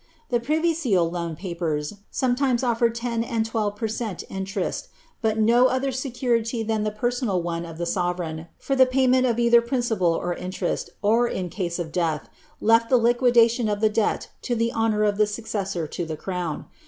The privy seal loan papers sometimes ofiered ten and twelve per cent, interest, but no other security than the personal one of the sovereign for the payment of either principal or in terest, and, in case of death, left the liquidation of the debt to the honour of the successor to the crown.